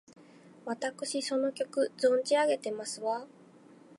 わたくしその曲、存じ上げてますわ！